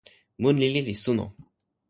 mun lili li suno.